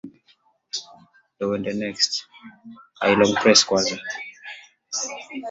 Chagua viazi nne vikubwa